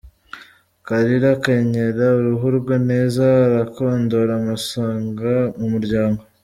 Kalira akenyera uruhu rwe neza, arakondora amusanga mu muryango.